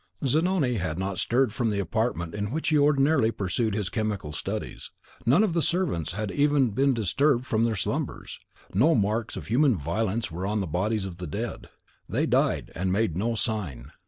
Zanoni had not stirred from the apartment in which he ordinarily pursued his chemical studies. None of the servants had even been disturbed from their slumbers. No marks of human violence were on the bodies of the dead. They died, and made no sign.